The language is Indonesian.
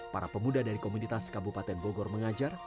para pemuda dari komunitas kabupaten bogor mengajar